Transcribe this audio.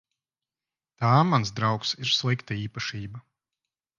Tā, mans draugs, ir slikta īpašība.